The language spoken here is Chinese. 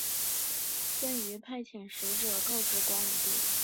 邓禹派遣使者告知光武帝。